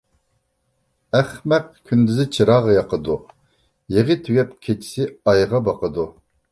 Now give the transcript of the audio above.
ئەخمەق كۈندۈزى چىراغ ياقىدۇ، يېغى تۈگەپ كېچىسى ئايغا باقىدۇ.